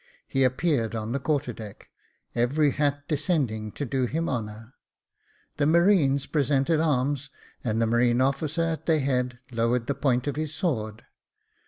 He appeared on the quarter deck — every hat descending to do him honour ; the marines presented arms, and the marine officer at their head lowered the point of his sword.